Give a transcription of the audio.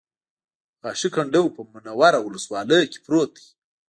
غاښی کنډو په منوره ولسوالۍ کې پروت دی